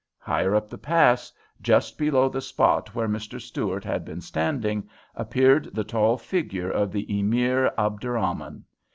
Higher up the pass, just below the spot where Mr. Stuart had been standing, appeared the tall figure of the Emir Abderrahman.